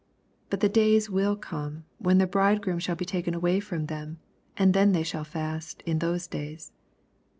85 Bnt the days will come, when the bridegroom shall be taken away from them, and then shall they fast in those days.